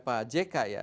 pak jk ya